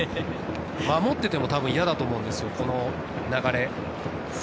守ってても嫌だと思うんですよ、この流れ。